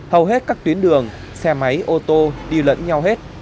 hầu hết các tuyến đường xe máy ô tô đi lẫn nhau hết